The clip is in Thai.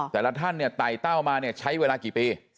แต่ละท่านเนี่ยไต่เต้ามาเนี่ยใช้เวลากี่ปี